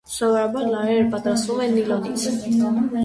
Սովորաբար լարերը պատրաստվում են նիլոնից։